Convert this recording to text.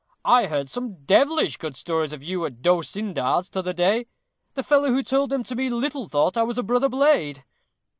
I heard some devilish good stories of you at D'Osyndar's t'other day; the fellow who told them to me little thought I was a brother blade."